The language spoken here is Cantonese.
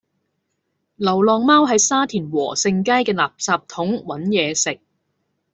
流浪貓喺沙田禾盛街嘅垃圾桶搵野食